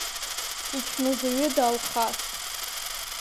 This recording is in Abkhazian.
Ичмазаҩыда, Алхас?